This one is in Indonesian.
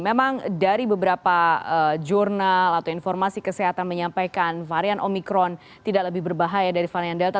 memang dari beberapa jurnal atau informasi kesehatan menyampaikan varian omikron tidak lebih berbahaya dari varian delta